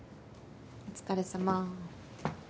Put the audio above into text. お疲れさま。